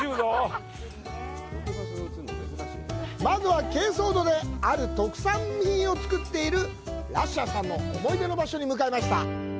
まずは、珪藻土である特産品を作っているラッシャーさんの思い出の場所に向かいました。